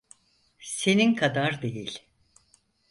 Senin kadar değil.